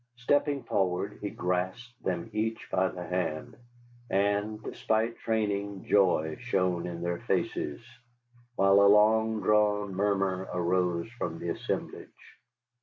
Stepping forward, he grasped them each by the hand, and, despite training, joy shone in their faces, while a long drawn murmur arose from the assemblage.